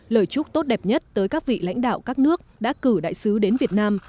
lời chúc tốt đẹp nhất tới các vị lãnh đạo các nước đã cử đại sứ đến việt nam